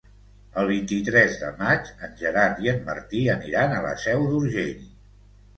El vint-i-tres de maig en Gerard i en Martí aniran a la Seu d'Urgell.